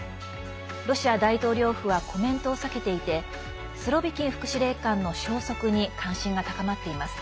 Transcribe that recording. ロシア大統領府はコメントを避けていてスロビキン副司令官の消息に関心が高まっています。